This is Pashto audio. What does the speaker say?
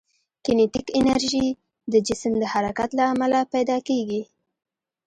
کینیتیک انرژي د جسم د حرکت له امله پیدا کېږي.